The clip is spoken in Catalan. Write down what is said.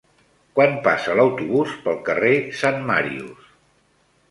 Quan passa l'autobús pel carrer Sant Màrius?